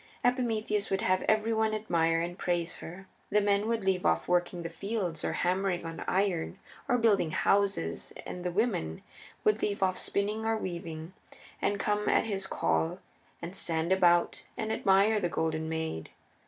Epimetheus would have every one admire and praise her. The men would leave off working in the fields, or hammering on iron, or building houses, and the women would leave off spinning or weaving, and come at his call, and stand about and admire the Golden Maid.